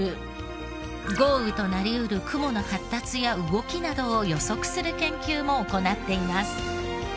豪雨となり得る雲の発達や動きなどを予測する研究も行っています。